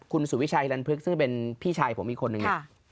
คุณสุวิชัยลันพึกซึ่งเป็นพี่ชายผมอีกคนนึงเนี่ย